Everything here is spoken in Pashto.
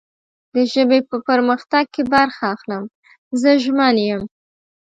د ژبې په پرمختګ کې برخه اخلم. زه ژمن یم